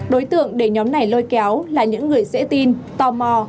đối tượng để nhóm này lôi kéo là những người dễ tin tò mò